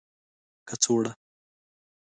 کڅوړه